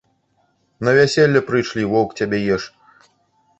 На вяселле прыйшлі, воўк цябе еш.